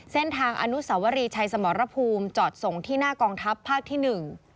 เส้นทางอนุสวรีชัยสมรภูมิจอดส่งที่หน้ากองทัพภาคที่หนึ่ง